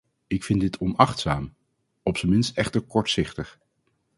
Ik vind dit onachtzaam, op zijn minst echter kortzichtig.